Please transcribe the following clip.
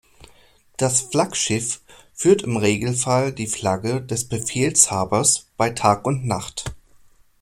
Das Flaggschiff führt im Regelfall die Flagge des Befehlshabers bei Tag und Nacht.